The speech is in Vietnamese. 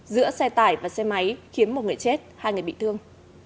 giữa xe tải và xe máy khiến một người chết hai người bị thương